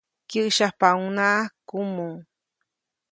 Kyäsyapaʼuŋnaʼak kumuʼ.